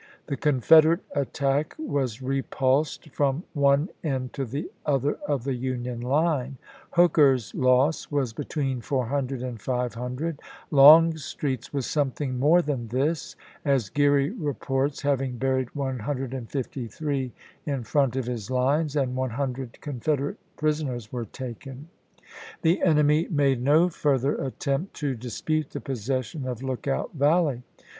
The Confederate attack was repulsed from one end to the other of the Union line.^ Hooker's loss was between 400 and 500 ; Longstreet's was something more than this, as Geary reports having buried 153 in front of his lines, and 100 Confederate prison ers were taken. The enemy made no further at tempt to dispute the possession of Lookout Valley.